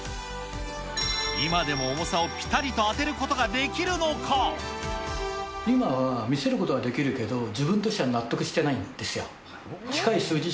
今でも重さをぴたりと当てる今は、見せることはできるけど、自分としては納得してないんですよ。